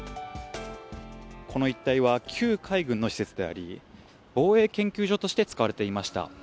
この一帯は旧海軍の施設であり、防衛研究所として使われていました。